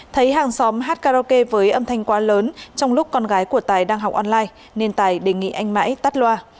thấy hàng xóm hát karaoke với âm thanh quá lớn trong lúc con gái của tài đang học online nên tài đề nghị anh mãi tắt loa